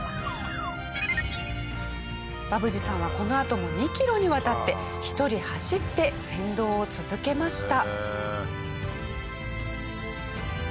バブジさんはこのあとも２キロにわたって一人走って先導を続けました。